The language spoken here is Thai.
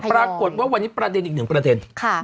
พักกดว่าวันนี้ประเทศอีกหนึ่งประเทศค่ะ